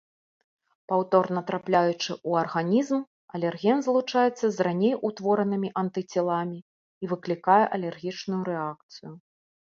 Паўторна трапляючы ў арганізм, алерген злучаецца з раней утворанымі антыцеламі і выклікае алергічную рэакцыю.